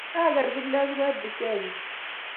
Kager kiplengwet dukenyi